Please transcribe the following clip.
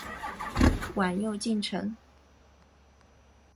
晚又进城。